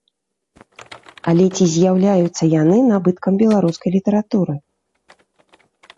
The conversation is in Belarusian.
Але ці з'яўляюцца яны набыткам беларускай літаратуры?